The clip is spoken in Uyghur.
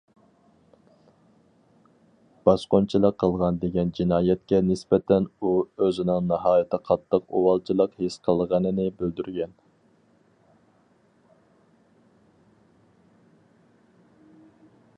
باسقۇنچىلىق قىلغان دېگەن جىنايەتكە نىسبەتەن ئۇ ئۆزىنىڭ ناھايىتى قاتتىق ئۇۋالچىلىق ھېس قىلغىنىنى بىلدۈرگەن.